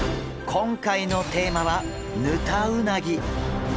今回のテーマはヌタウナギ。